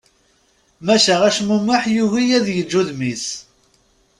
Maca acmumeḥ yugi ad yeǧǧ udem-is.